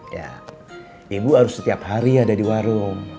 ya ibu harus setiap hari ada di warung